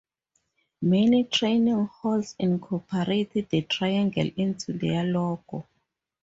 Many training halls incorporate the triangle into their logo.